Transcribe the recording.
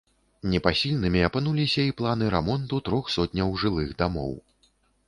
Непасільнымі апынуліся і планы рамонту трох сотняў жылых дамоў.